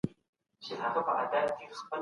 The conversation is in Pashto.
د ذهني ستړیا پړاونه په تدریجي ډول رامنځته کېږي.